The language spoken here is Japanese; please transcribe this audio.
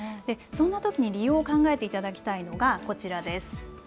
そんなときに利用を考えていただきたいのがこちらです。